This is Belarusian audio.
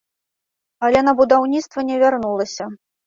Але на будаўніцтва не вярнулася.